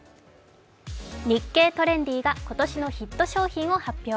「日経トレンディ」が今年のヒット商品を発表。